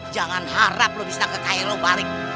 jangan harap lu bisa kekaya lu balik